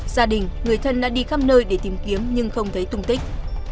gia đình người thân đã đi khắp nơi để tìm kiếm nhưng không thấy tung tích